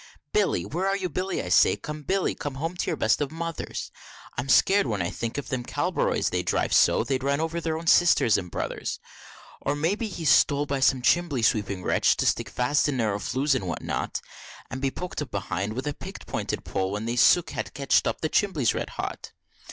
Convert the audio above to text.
Billy where are you, Billy, I say? come, Billy, come home, to your best of Mothers! I'm scared when I think of them Cabroleys, they drive so, they'd run over their own Sisters and Brothers. Or may be he's stole by some chimbly sweeping wretch, to stick fast in narrow flues and what not, And be poked up behind with a picked pointed pole, when the soot has ketch'd, and the chimbly's red hot.